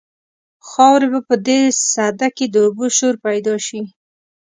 خاورې به په دې سده کې د اوبو شور پیدا شي.